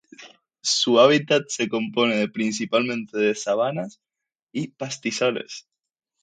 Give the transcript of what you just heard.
Su hábitat se compone de principalmente de sabanas y pastizales.